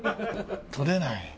取れない。